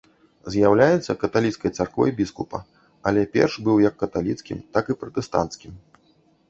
З'яўляецца каталіцкай царквой біскупа, але перш быў як каталіцкім, так і пратэстанцкім.